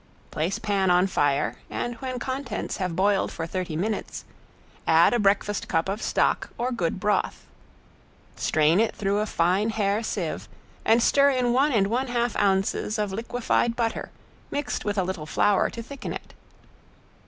Place pan on fire and when contents have boiled for thirty minutes, add a breakfast cup of stock or good broth. Strain it through a fine hair sieve and stir in one and one half ounces of liquefied butter mixed with a little flour to thicken it.